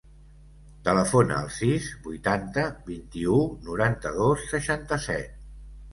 Telefona al sis, vuitanta, vint-i-u, noranta-dos, seixanta-set.